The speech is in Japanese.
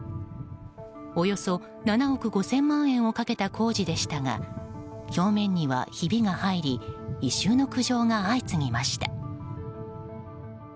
およそ７億５０００万円をかけた工事でしたが表面にはひびが入り異臭の苦情が相次ぎました。